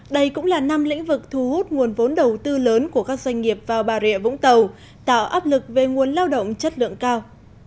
đây cũng là năm lĩnh vực thu hút nguồn vốn đầu tư lớn của các doanh nghiệp vào bà rịa vũng tàu tạo áp lực về nguồn lao động chất lượng cao